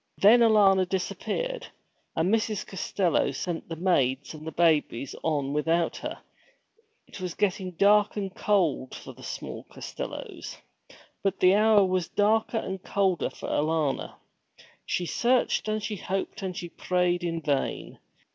Then Alanna disappeared, and Mrs. Costello sent the maids and babies on without her. It was getting dark and cold for the small Costellos. But the hour was darker and colder for Alanna. She searched and she hoped and she prayed in vain.